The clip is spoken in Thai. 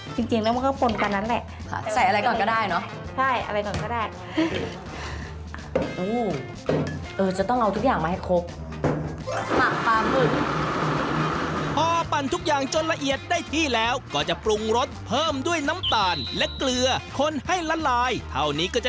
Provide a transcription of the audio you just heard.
จริงแล้วมันก็ปนกว่านั้นแหละ